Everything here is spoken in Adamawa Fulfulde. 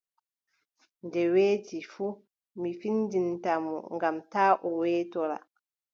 Nde weeti fuu boo, min findinta mo, ngam taa o weetora!